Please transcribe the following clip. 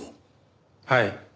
はい。